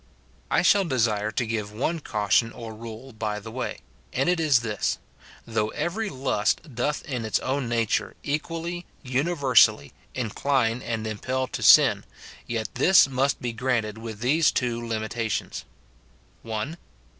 I shall desire to give one caution or rule by the way, and it is this : Though every lust doth in its own nature equally, universally, incline and impel to sin, yet this must be granted with these two limitations :— [1.